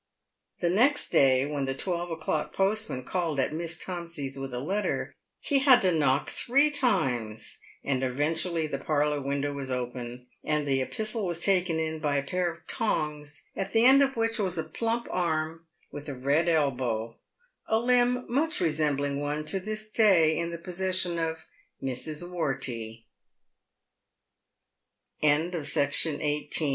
The next day, when the twelve o'clock postman called at Miss Tomsey's with a letter, he had to knock three times, and eventually the parlour window was opened, and the epistle was taken in by a pair of tongs, at the end of which was a plump arm with a red elbow, a limb much resembling one to this day in the possession of Mrs. Wortey. CHAPTER IX.